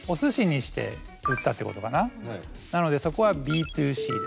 なのでそこはＢ２Ｃですね。